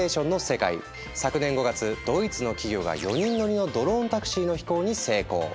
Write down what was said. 昨年５月ドイツの企業が４人乗りのドローンタクシーの飛行に成功。